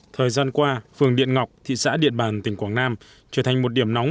thời gian qua phường điện ngọc thị xã điện bàn tỉnh quảng nam trở thành một điểm nóng